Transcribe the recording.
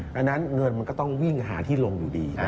ดังนั้นเงินมันก็ต้องวิ่งหาที่ลงอยู่ดี